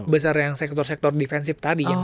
nggak sebesar yang sektor sektor defensive tadi ya